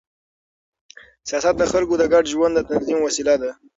سیاست د خلکو د ګډ ژوند د تنظیم وسیله ده